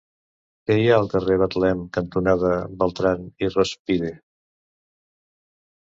Què hi ha al carrer Betlem cantonada Beltrán i Rózpide?